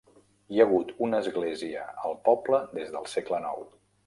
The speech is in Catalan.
Hi ha hagut una església al poble des del segle IX.